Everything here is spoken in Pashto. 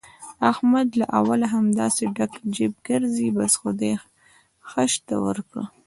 احمد له اوله همداسې ډک جېب ګرځي، بس خدای ښه شته ورکړي.